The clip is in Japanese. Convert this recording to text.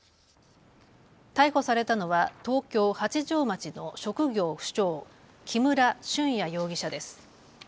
逮捕されたのは東京八丈町の職業不詳、木村俊哉容疑者です。